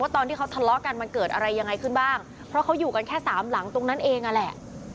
ตอนที่เขาทะเลาะกันมันเกิดอะไรยังไงขึ้นบ้างเพราะเขาอยู่กันแค่สามหลังตรงนั้นเองนั่นแหละ